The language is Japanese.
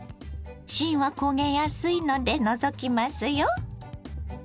芯は焦げやすいので除きますよ。